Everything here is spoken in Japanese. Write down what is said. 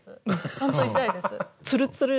ちゃんと痛いです。